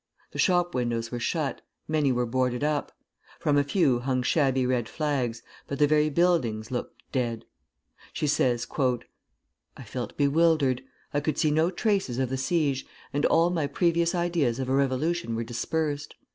The shop windows were shut, many were boarded up; from a few hung shabby red flags, but the very buildings looked dead. She says, "I felt bewildered. I could see no traces of the siege, and all my previous ideas of a revolution were dispersed.